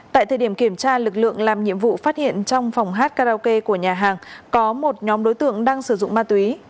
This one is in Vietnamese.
tại thời điểm kiểm tra lực lượng làm nhiệm vụ phát hiện trong phòng hát karaoke của nhà hàng có một nhóm đối tượng đang sử dụng ma túy